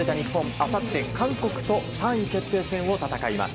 あさって韓国と３位決定戦を戦います。